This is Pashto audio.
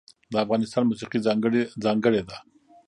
د افغانستان موسیقی ځانګړې ده